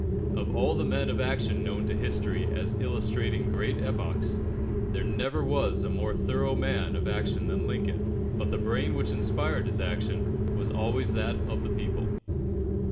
Of all the men of action known to history as illustrating great epochs, there never was a more thorough man of action than Lincoln, but the brain which inspired his action was always that of the people.